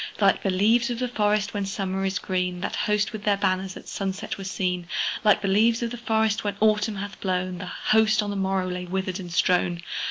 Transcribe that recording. Like the leaves of the forest when Summer is green, That host with their banners at sunset were seen: Like the leaves of the forest when Autumn hath blown, That host on the morrow lay withered and strown.